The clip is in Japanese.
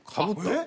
えっ？